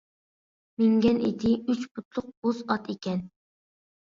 مىنگەن ئېتى ئۈچ پۇتلۇق بوز ئات ئىكەن.